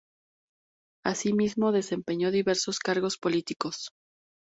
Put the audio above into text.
Asimismo desempeñó diversos cargos políticos.